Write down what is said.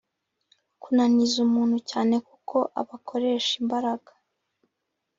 kunaniza umuntu cyane kuko abakoresha imbaraga